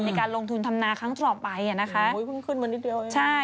ในการลงทุนธรรมนาครั้งต่อไป